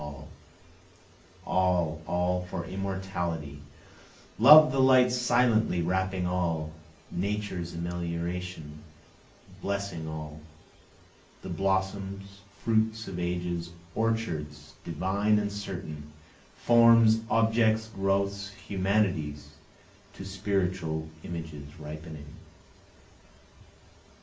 All, all for immortality, Love like the light silently wrapping all, Nature's amelioration blessing all, The blossoms, fruits of ages, orchards divine and certain, Forms, objects, growths, humanities, to spiritual images ripening.